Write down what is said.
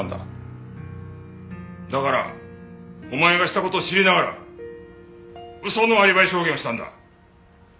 だからお前がした事を知りながら嘘のアリバイ証言をしたんだ。